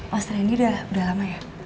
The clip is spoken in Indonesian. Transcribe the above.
mas rendy udah lama ya